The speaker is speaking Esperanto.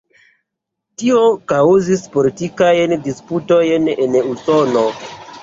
Tio kaŭzis politikajn disputojn en Usono.